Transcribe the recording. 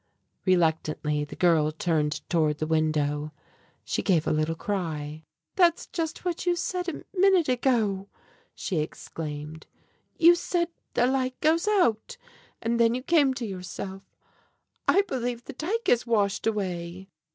Reluctantly the girl turned toward the window. She gave a little cry. "That's just what you said a minute ago!" she exclaimed. "You said 'the light goes out,' and then you came to yourself. I believe the dike is washed away!"